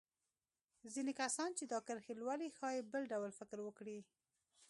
ځينې کسان چې دا کرښې لولي ښايي بل ډول فکر وکړي.